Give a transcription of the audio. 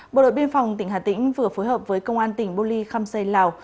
bộ đội biên phòng tỉnh hà tĩnh vừa phối hợp với công an tỉnh bô ly khăm xây lào